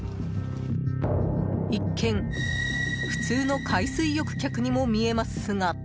一見、普通の海水浴客にも見えますが。